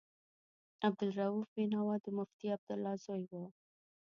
عبدالرؤف بېنوا د مفتي عبدالله زوی و.